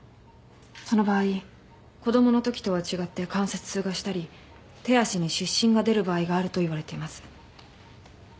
その場合子供のときとは違って関節痛がしたり手足に湿疹が出る場合があると言われています。